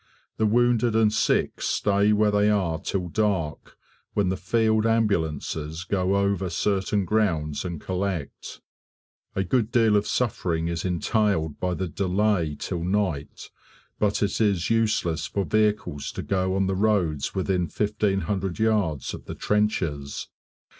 The wounded and sick stay where they are till dark, when the field ambulances go over certain grounds and collect. A good deal of suffering is entailed by the delay till night, but it is useless for vehicles to go on the roads within 1500 yards of the trenches.